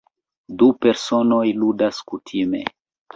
Du personoj ludas kutime.